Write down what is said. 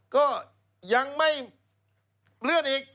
ก็ยังไม่เลื่อนอีก